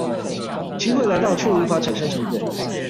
機會來到卻無法產生成果